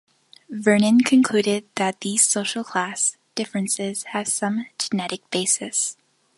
Vernon concluded that these social class differences have some genetic basis.